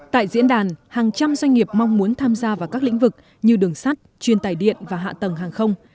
tại diễn đàn hàng trăm doanh nghiệp mong muốn tham gia vào các lĩnh vực như đường sắt chuyên tài điện và hạ tầng hàng không